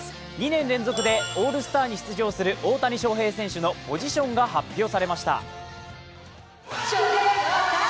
２年連続でオールスターに出場する大谷翔平選手のポジションが発表されました。